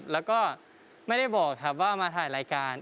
แล้วก็ไม่ได้บอกครับว่ามาถ่ายรายการ